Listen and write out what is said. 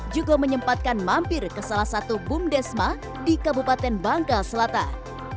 juga menyempatkan mampir ke salah satu bumdesma di kabupaten bangka selatan